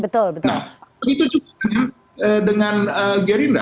nah begitu juga dengan gerinda